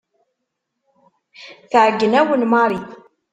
Tɛeyyen-awen Mary.